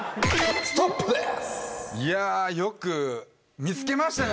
いやよく見つけましたね